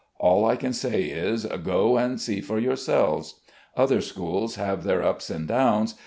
All I can say is, "Go and see for yourselves." Other schools have their ups and downs.